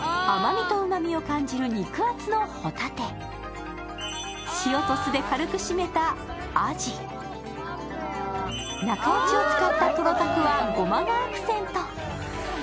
甘みをうまみを感じる肉厚の帆立、塩と酢で軽くしめたあじ、中落ちを使ったとろたくはごまがアクセント。